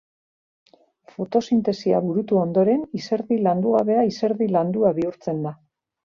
Fotosintesia burutu ondoren, izerdi landugabea izerdi landua bihurtzen da.